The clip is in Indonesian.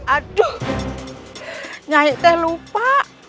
aduh nyai teh lupa